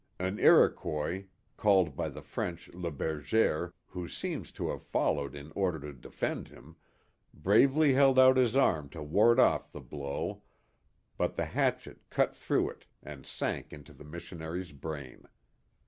An Iroquois, called by the French Le Berger, who seems to have followed in order to defend him, bravely held out his arm to ward off the blow, but the hatchet cut through it and sank into the missionary's brain.